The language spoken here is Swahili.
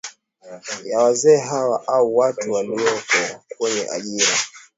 ya wazee hawa au watu waliko kwenye ajira